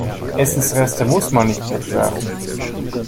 Essensreste muss man nicht wegwerfen.